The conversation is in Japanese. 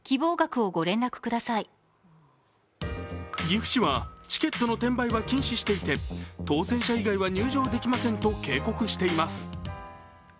岐阜市はチケットの転売は禁止していて当選者以外は入場できませんと警告しています。